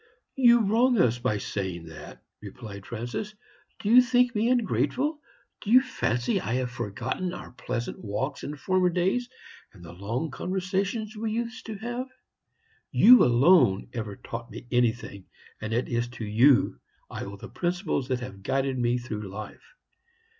"'You wrong us by saying that,' replied Francis; 'do you think me ungrateful? Do you fancy I have forgotten our pleasant walks in former days, and the long conversations we used to have? You alone ever taught me anything, and it is to you I owe the principles that have guided me through life.